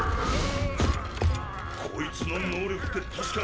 こいつの能力って確か。